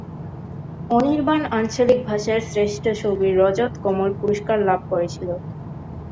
অনির্বাণ আঞ্চলিক ভাষার শ্রেষ্ঠ ছবির 'রজত কমল' পুরস্কার লাভ করেছিল।।